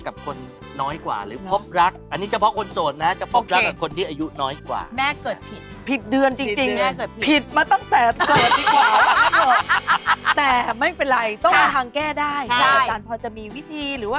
มากว่าเราจะเสกเสร็จน้ำหยดดหมดมือ